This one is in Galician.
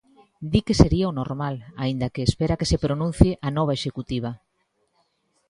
Di que sería o normal, aínda que espera que se pronuncie a nova executiva.